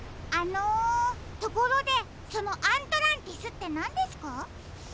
あのところでそのアントランティスってなんですか？